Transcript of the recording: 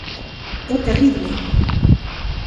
¡É terrible!